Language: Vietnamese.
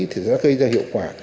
thì sẽ gây ra hiệu quả